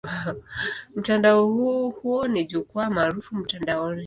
Mtandao huo ni jukwaa maarufu mtandaoni.